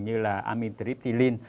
như là amitriptylin